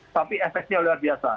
tapi efeknya luar biasa